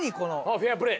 フェアプレー。